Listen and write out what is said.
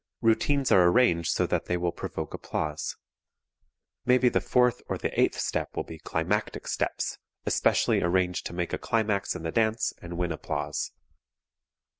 Routines are arranged so that they will provoke applause. Maybe the fourth or the eighth step will be "climactic" steps, especially arranged to make a climax in the dance and win applause.